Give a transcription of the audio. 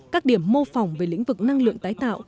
các điểm mô phỏng về lĩnh vực năng lượng tái tạo